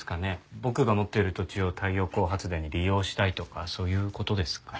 僕が持ってる土地を太陽光発電に利用したいとかそういう事ですかね？